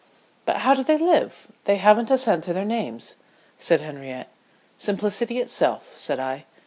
"But how do they live? they haven't a cent to their names," said Henriette. "Simplicity itself," said I.